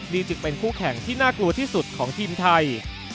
นี่จึงเป็นคู่แข่งที่น่ากลัวที่สุดของทีมไทย